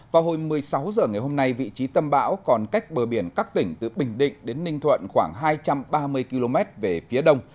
vào hồi một mươi sáu h ngày hôm nay vị trí tâm bão còn cách bờ biển các tỉnh từ bình định đến ninh thuận khoảng hai trăm ba mươi km về phía đông